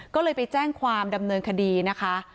ก็เลยไปแจ้งความดำเนินคดีนะคะ